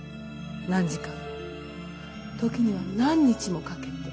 何時間も時には何日もかけて。